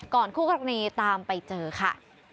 คู่กรณีตามไปเจอค่ะ